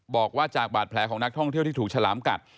บอกว่าจากบาดแผลของนักท่องเที่ยวที่ถูกฉลามกัด